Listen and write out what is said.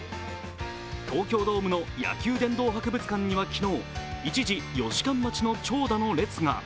東京ドームの野球殿堂博物館には昨日、一時、４時間待ちの長蛇の列が。